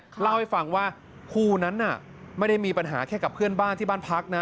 เล่าให้ฟังว่าคู่นั้นน่ะไม่ได้มีปัญหาแค่กับเพื่อนบ้านที่บ้านพักนะ